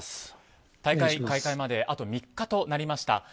大会開会まであと３日となりました。